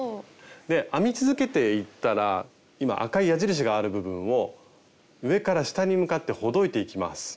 で編み続けていったら今赤い矢印がある部分を上から下に向かってほどいていきます。